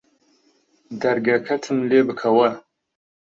دەرگەکەتم لێ بکەوە